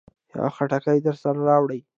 يو خټکی درسره راوړه.